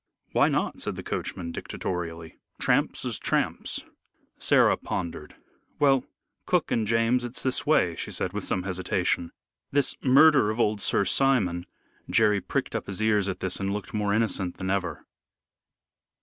"Why not?" said the coachman, dictatorially. "Tramps is tramps." Sarah pondered. "Well, cook and James, it's this way," she said, with some hesitation. "This murder of old Sir Simon " Jerry pricked up his ears at this and looked more innocent than ever.